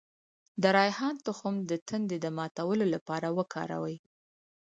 د ریحان تخم د تندې د ماتولو لپاره وکاروئ